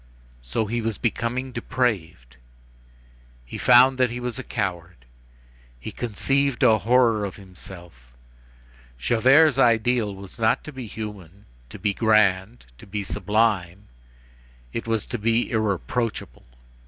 So he was becoming depraved. He found that he was a coward. He conceived a horror of himself. Javert's ideal, was not to be human, to be grand, to be sublime; it was to be irreproachable.